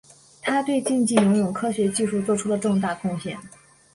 他对竞技游泳科学技术做出了重大贡献。